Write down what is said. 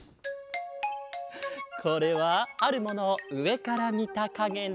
これはあるものをうえからみたかげだ。